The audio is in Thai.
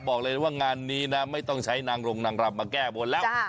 บอกเลยว่างานนี้นะไม่ต้องใช้นางรงนางรำมาแก้บนแล้ว